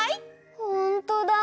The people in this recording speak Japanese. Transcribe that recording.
ほんとだ。